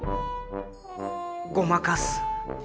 ごまかす？